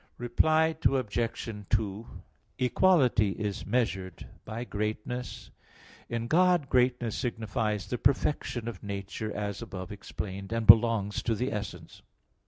Reply Obj. 2: Equality is measured by greatness. In God greatness signifies the perfection of nature, as above explained (A. 1, ad 1), and belongs to the essence.